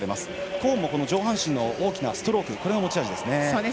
コーンも上半身の大きなストロークが持ち味ですね。